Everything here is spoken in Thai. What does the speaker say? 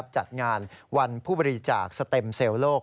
จัดงานวันผู้บริจาคสเต็มเซลล์โลก